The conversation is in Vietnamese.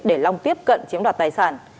để long tiếp cận chiếm đoạt tài sản